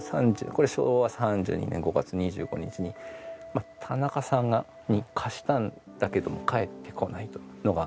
これ昭和３２年５月２５日に田中さんに貸したんだけども返ってこないというのが。